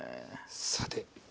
さて。